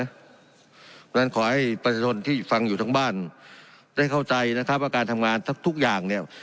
เพราะฉะนั้นขอให้ประชาชนที่ฟังอยู่ทั้งบ้านได้เข้าใจนะครับว่าการทำงานทุกอย่างเนี่ย